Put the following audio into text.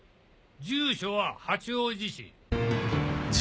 住所は八王子市。